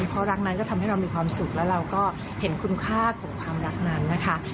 เพราะรักนั้นก็ทำให้เรามีความสุขแล้วเราก็เห็นคุณค่าของความรักนั้นนะคะ